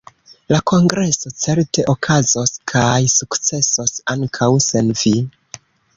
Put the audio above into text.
La kongreso certe okazos kaj sukcesos ankaŭ sen Vi.